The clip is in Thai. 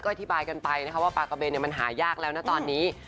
อธิบายกันไปนะคะว่าปลากระเบนมันหายากแล้วนะตอนนี้